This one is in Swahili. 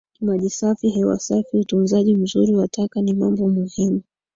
Maji safi hewa safi utunzaji mzuri wa taka ni mambo muhimu